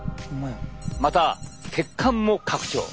また血管も拡張。